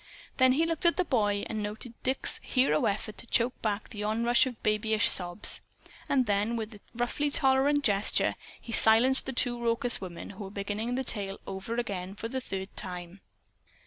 Then he looked at the boy, and noted Dick's hero effort to choke back the onrush of babyish sobs. And then, with a roughly tolerant gesture, he silenced the two raucous women, who were beginning the tale over again for the third time.